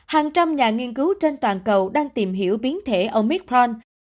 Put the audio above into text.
hàng trăm nhà nghiên cứu trên toàn cầu đang tìm hiểu biến thể omithon